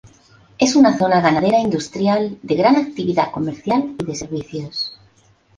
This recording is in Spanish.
Es una zona ganadera, industrial, de gran actividad comercial y de servicios.